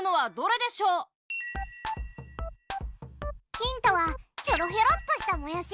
ヒントはひょろひょろっとしたもやし。